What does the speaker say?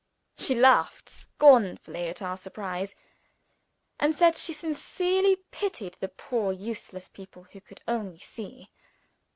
She laughed scornfully at our surprise, and said she sincerely pitied the poor useless people who could only see!